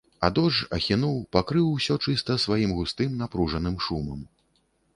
А дождж ахінуў, пакрыў усё чыста сваім густым, напружаным шумам.